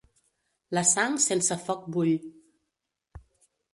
La sang sense foc bull.